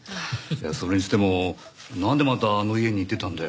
それにしてもなんでまたあの家に行ってたんだよ？